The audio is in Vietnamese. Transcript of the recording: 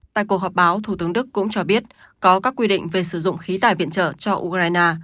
tại cuộc họp báo thủ tướng đức cũng cho biết có các quy định về sử dụng khí tài viện trợ cho ukraine